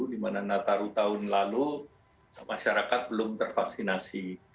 dimana nataru tahun lalu masyarakat belum tervaksinasi